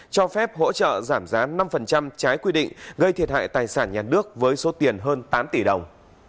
cho phép hỗ trợ giảm giá năm trái quy định gây thiệt hại tài sản nhà nước với số tiền hơn tám tỷ đồng